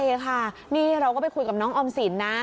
ใช่ค่ะนี่เราก็ไปคุยกับน้องออมสินนะ